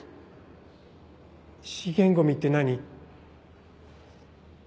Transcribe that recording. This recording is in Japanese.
資源ゴミって何？